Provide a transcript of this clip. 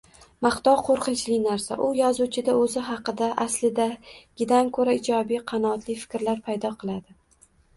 Maqtov qoʻrqinchli narsa, u yozuvchida oʻzi haqida aslidagidan koʻra ijobiy, qanoatli fikrlar paydo qiladi